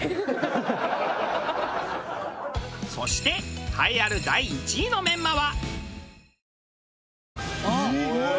そして栄えある第１位のメンマは。